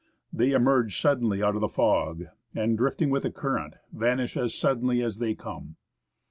They emerge suddenly out of the fog, and, drifting with the current, vanish as suddenly as they come.